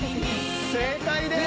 正解です！